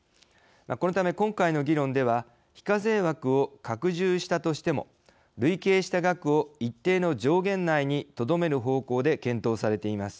このため今回の議論では非課税枠を拡充したとしても累計した額を一定の上限内にとどめる方向で検討されています。